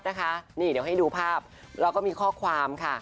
เดี๋ยวให้ดูภาพแล้วก็มีข้อความค่ะ